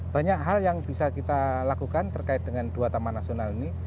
banyak hal yang bisa kita lakukan terkait dengan dua taman nasional ini